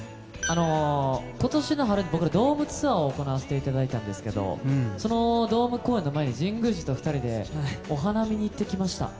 今年の春に僕らドームツアーを行わせてもらったんですけどそのドーム公演の前に神宮寺と２人でお花見に行ってきました。